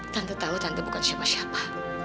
tante tahu tante bukan siapa siapa